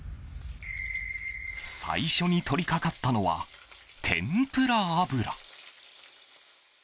最初に取り掛かったのは天ぷら油。